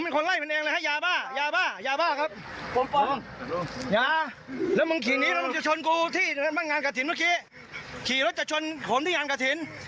เก๋งเดี๋ยวหน่อยบ้านอยู่ไหน